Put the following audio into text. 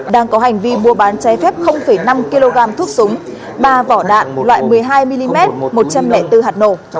đang có hành vi mua bán trái phép năm kg thuốc súng ba vỏ đạn loại một mươi hai mm một trăm linh bốn hạt nổ